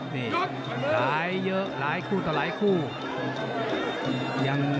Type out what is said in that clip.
ที่ผ่านมาเสาร์ที่แล้ว